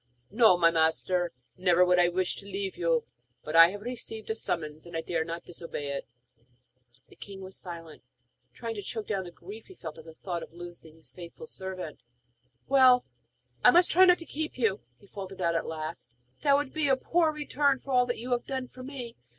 'No, my master; never could I wish to leave you! But I have received a summons, and I dare not disobey it.' The king was silent, trying to choke down the grief he felt at the thought of losing his faithful servant. 'Well, I must not try to keep you,' he faltered out at last. 'That would be a poor return for all that you have done for me!